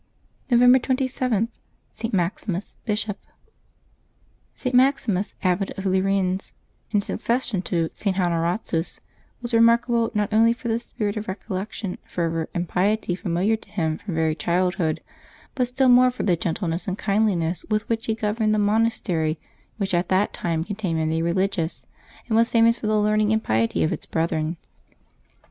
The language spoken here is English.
November 27.— ST. MAXIMUS, Bishop. @T. Maximus, abbot of Lerins, in succession to St. Honoratus, was remarkable not only for the spirit of recollection, fervor, and piety familiar to him from very childhood, but still more for the gentleness and kindliness with which he governed the monastery which at that time contained many religious, and was famous for the learning and piety of its brethren.